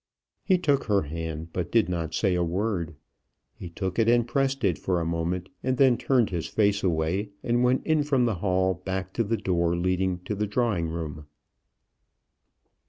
He took her hand, but did not say a word. He took it and pressed it for a moment, and then turned his face away, and went in from the hall back to the door leading to the drawing room.